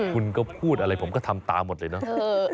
คุณก็พูดอะไรผมก็ทำตามหมดเลยเนอะ